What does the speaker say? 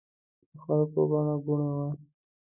د خلکو ګڼه ګوڼه وه.